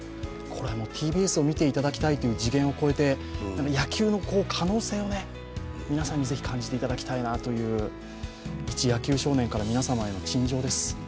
ＴＢＳを見ていただきたいという次元を超えて、野球の可能性を皆さんにぜひ感じていただきたいなという、いち野球少年から皆様への陳情です。